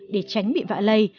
để tránh bị vạ lây